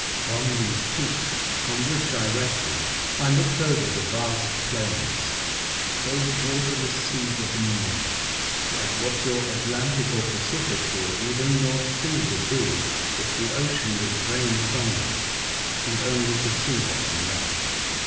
From these peaks (on which I rested) I looked over the vast plains — those waterless seas of the moon — like what your Atlantic, or Pacific, or even North Sea, would be if the 72 A Voyage to Other Worlds. ocean was drained from tliem and only the sea bottom left.